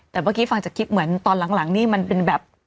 แต่เมื่อกี้ฟังจากคลิปเหมือนตอนหลังนี่มันเป็นแบบ